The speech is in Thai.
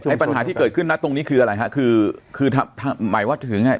ไอ้ปัญหาที่เกิดขึ้นนักตรงนี้คืออะไรฮะคือคือถ้าหมายว่าคือยังไง